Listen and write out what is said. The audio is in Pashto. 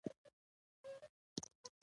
• صداقت د انسان ویاړ دی.